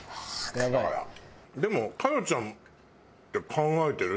佳代ちゃん考えてるよ！